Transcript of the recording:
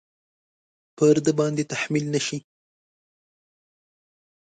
پر ده باندې تحمیل نه شي.